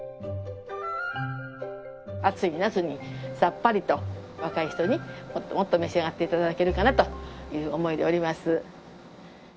暑い夏にさっぱりと若い人にもっともっと召し上がって頂けるかなという思いでおります。